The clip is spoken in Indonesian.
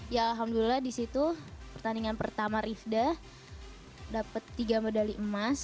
ya alhamdulillah disitu pertandingan pertama rifda dapet tiga medali emas